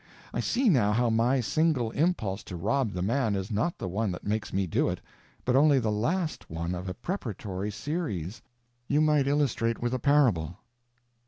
I see, now, how my _single _impulse to rob the man is not the one that makes me do it, but only the _last _one of a preparatory series. You might illustrate with a parable.